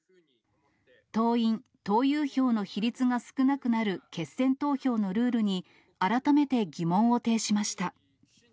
党員・党友票の比率が少なくなる決選投票のルールに、改めて疑問を呈しました。